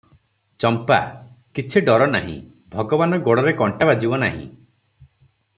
ଚମ୍ପା - କିଛି ଡର ନାହିଁ, ଭଗବାନ ଗୋଡ଼ରେ କଣ୍ଟା ବାଜିବ ନାହିଁ ।